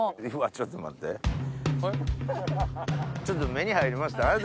ちょっと目に入りました？